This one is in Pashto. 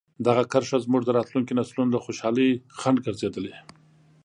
دغه کرښه زموږ د راتلونکي نسلونو د خوشحالۍ خنډ ګرځېدلې.